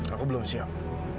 aku belum siap